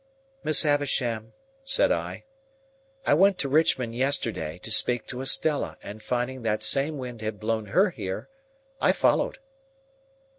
"Miss Havisham," said I, "I went to Richmond yesterday, to speak to Estella; and finding that some wind had blown her here, I followed."